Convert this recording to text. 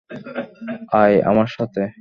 আয় আমার সাথে।